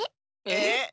えっ？